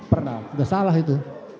enggak salah itu